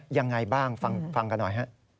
ยังไงบ้างฟังกันหน่อยฮะ